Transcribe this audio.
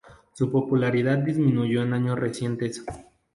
Su popularidad disminuyó en años recientes.